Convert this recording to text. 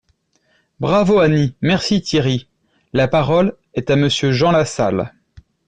» Bravo Annie ! Merci Thierry ! La parole est à Monsieur Jean Lassalle.